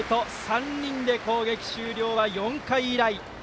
３人で攻撃終了は４回以来。